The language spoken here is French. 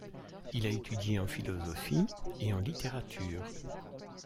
Il a étudié en philosophie et en littérature.